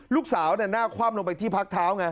ลูกสาวหน้ากระถั่งไปที่พักเท้า